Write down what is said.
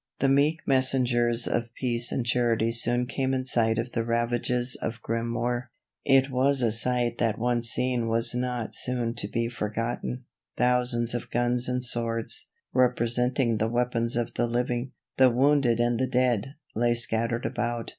The meek messengers of peace and charity soon came in sight of the ravages of grim war. It was a sight that once seen was not soon to be forgotten. Thousands of guns and swords, representing the weapons of the living, the wounded and the dead, lay scattered about.